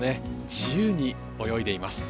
自由に泳いでいます。